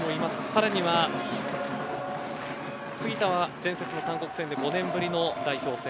さらには杉田は、前節の韓国戦で５年ぶりの代表戦。